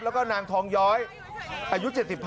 แล้วก็นางทองย้อยอายุ๗๕